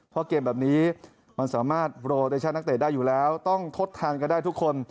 เพราะเกมแบบนี้มันสามารถโรเดชั่นนักเตะได้อยู่แล้วต้องทดทานกันได้ทุกคน